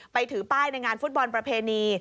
ถือป้ายในงานฟุตบอลประเพณี